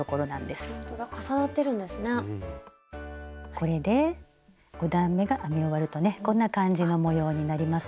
これで５段めが編み終わるとねこんな感じの模様になりますよ。